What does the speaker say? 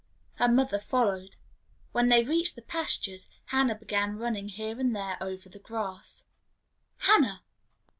Her mother followed. When they reached the pastures Hannah began running here and there over the grass. "Hannah!"